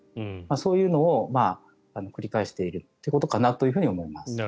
そういうのを理解しているということかなと思います。